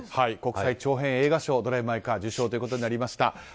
国際長編映画賞を「ドライブ・マイ・カー」受賞ということになりました。